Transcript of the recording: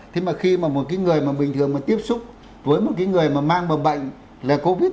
thế mà khi mà một cái người mà bình thường mà tiếp xúc với một cái người mà mang mầm bệnh là covid